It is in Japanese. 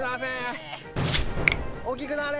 大きくなれ！